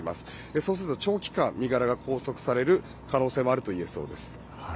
そうすると長期間、身柄が拘束される可能性もあるといえそうです。